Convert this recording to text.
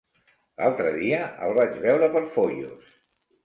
L'altre dia el vaig veure per Foios.